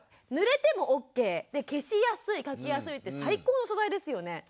ぬれてもオッケー消しやすい描きやすいって最高の素材ですよね。